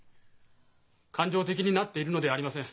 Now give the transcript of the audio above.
感情的になっているのではありません。